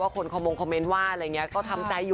มันก็มีแต่ว่าหนูก็ทำหน้าที่ผมต่อ